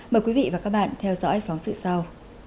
mời quý vị và các bạn theo dõi phóng sự sau